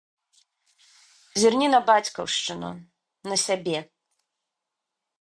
Зірні на бацькаўшчыну, на сябе!